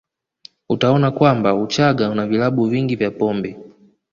Utaona kwamba Uchaga una vilabu vingi vya pombe